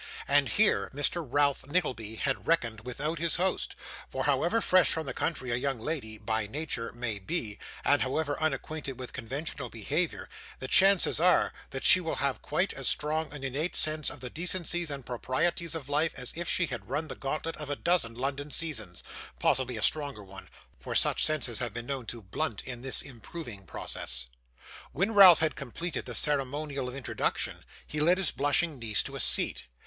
And here Mr. Ralph Nickleby had reckoned without his host; for however fresh from the country a young lady (by nature) may be, and however unacquainted with conventional behaviour, the chances are, that she will have quite as strong an innate sense of the decencies and proprieties of life as if she had run the gauntlet of a dozen London seasons possibly a stronger one, for such senses have been known to blunt in this improving process. When Ralph had completed the ceremonial of introduction, he led his blushing niece to a seat.